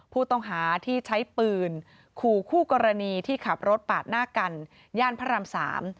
ผู้ต้องหาที่ใช้ปืนขู่คู่กรณีที่ขับรถปาดหน้ากันย่านพระรามสาม